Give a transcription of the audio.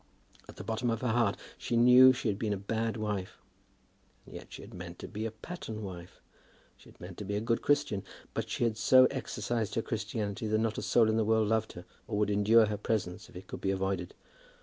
At the bottom of her heart she knew that she had been a bad wife. And yet she had meant to be a pattern wife! She had meant to be a good Christian; but she had so exercised her Christianity that not a soul in the world loved her, or would endure her presence if it could be avoided!